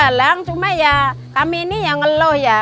halang cuma ya kami ini yang ngeluh ya